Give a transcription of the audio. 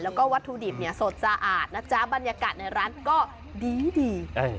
และวัตถุดิบสดสะอาดบรรยากาศในร้านก็ดี